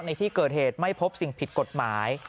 ในที่เกิดเหตุไม่พบสิ่งผิดกฎหมาย